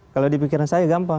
kalau di pikiran saya gampang